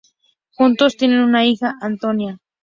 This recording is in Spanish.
Juntos tienen una hija: Antonia.